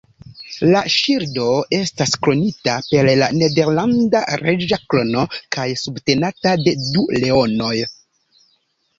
La ŝildo estas kronita per la nederlanda reĝa krono kaj subtenata de du leonoj.